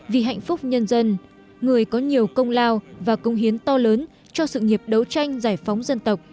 vì hạnh phúc nhân dân người có nhiều công lao và công hiến to lớn cho sự nghiệp đấu tranh giải phóng dân tộc